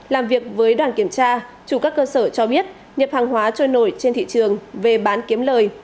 làm việc với đoàn kiểm tra chủ các cơ sở cho biết nhập hàng hóa trôi nổi trên thị trường về bán kiếm lời